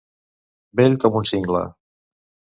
Vell com un cingle.